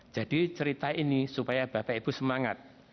jadi cerita ini supaya bapak ibu semangat